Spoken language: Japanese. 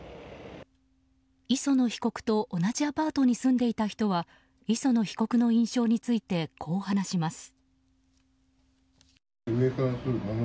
磯野被告と同じアパートに住んでいた人は磯野被告の印象についてこう話します。